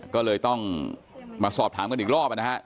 ก็เลยต้องมาสอบถามกันอีกรอบนะฮะ